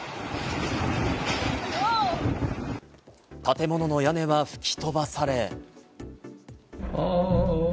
建物の屋根は吹き飛ばされ。